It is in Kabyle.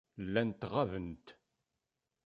Llant ɣabent.